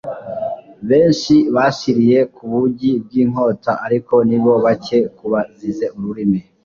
benshi bashiriye ku bugi bw'inkota ariko ni bo bake ku bazize ururimi